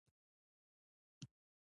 بابا غر په مرکزي افغانستان کې دی